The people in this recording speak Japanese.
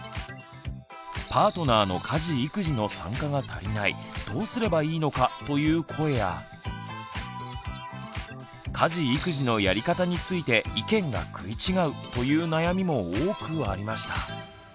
「パートナーの家事育児の参加が足りないどうすればいいのか」という声や「家事育児のやり方について意見が食い違う」という悩みも多くありました。